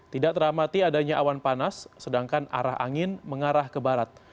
tidak teramati adanya awan panas sedangkan arah angin mengarah ke barat